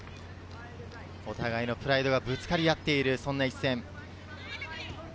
お互いのプライドがぶつかり合っている一戦。